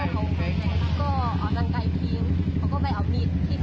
หนูก็ไม่ได้สนใจแล้วหนูก็เขาก็ไปจับคอเสื้อเผื่อหญิงค่ะ